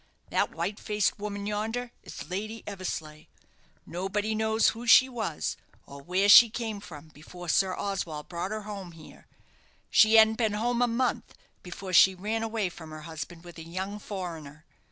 That white faced woman yonder is Lady Eversleigh. Nobody knows who she was, or where she came from, before Sir Oswald brought her home here. She hadn't been home a month before she ran away from her husband with a young foreigner.